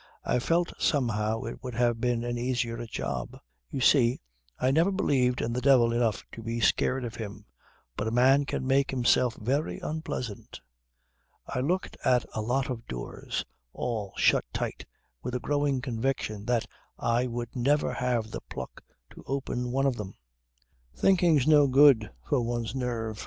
I felt somehow it would have been an easier job. You see, I never believed in the devil enough to be scared of him; but a man can make himself very unpleasant. I looked at a lot of doors, all shut tight, with a growing conviction that I would never have the pluck to open one of them. Thinking's no good for one's nerve.